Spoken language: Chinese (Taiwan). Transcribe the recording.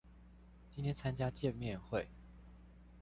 今天參加見面會